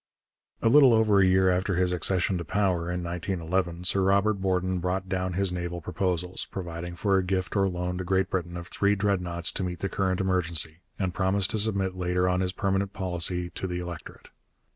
A little over a year after his accession to power in 1911, Sir Robert Borden brought down his naval proposals, providing for a gift or loan to Great Britain of three Dreadnoughts to meet the current emergency, and promised to submit later on his permanent policy to the electorate.